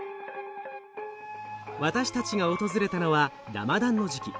私たちが訪れたのはラマダンの時期。